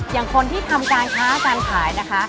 อย่างคนที่ทำการค้าการขายนะคะ